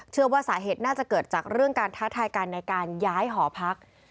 ว่าสาเหตุน่าจะเกิดจากเรื่องการท้าทายกันในการย้ายหอพัก